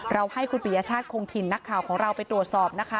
ให้คุณปียชาติคงถิ่นนักข่าวของเราไปตรวจสอบนะคะ